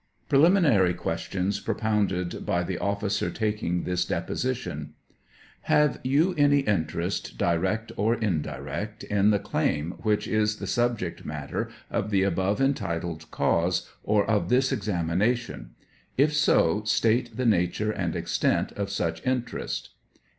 Preliminary question propounded by the oflScer tak ing this deposition : Have you any, interest^ direct or indirect, in the claim which is the subject matter of the above entitled cause, or of this examination; if so, state the nature and extent of such interest